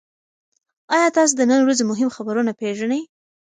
ایا تاسي د نن ورځې مهم خبرونه پېژنئ؟